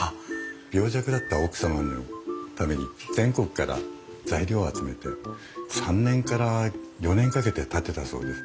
病弱だった奥様のために全国から材料を集めて３年から４年かけて建てたそうです。